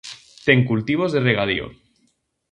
Ten cultivos de regadío.